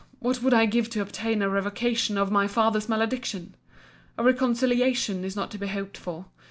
what would I give to obtain a revocation of my father's malediction! a reconciliation is not to be hoped for.